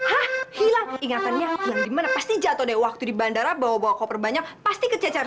hah hilang ingatannya akun dimana pasti jatuh deh waktu di bandara bawa bawa koper banyak pasti kececar